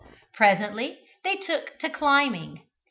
Presently they took to climbing.